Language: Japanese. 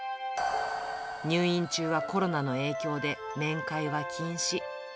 入院中はコロナの影響で面会は禁止。